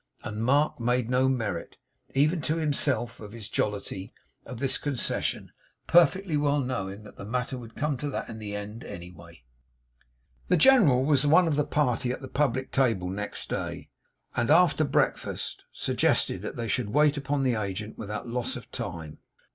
And Mark made no merit, even to himself in his jollity, of this concession; perfectly well knowing that the matter would come to that in the end, any way. The General was one of the party at the public table next day, and after breakfast suggested that they should wait upon the agent without loss of time.